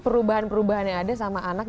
perubahan perubahan yang ada sama anak